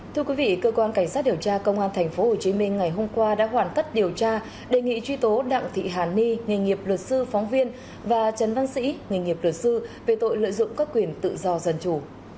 thưa quý vị cơ quan cảnh sát điều tra công an tp hcm ngày hôm qua đã hoàn tất điều tra đề nghị truy tố đặng thị hàn ni nghề nghiệp luật sư phóng viên và trần văn sĩ nghề nghiệp luật sư về tội lợi dụng các quyền tự do dân chủ